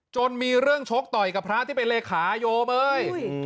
มีเรื่องชกต่อยกับพระที่เป็นเลขขายโยมเอ้ย